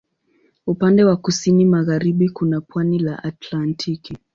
Upande wa kusini magharibi kuna pwani la Atlantiki.